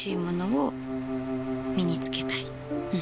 うん。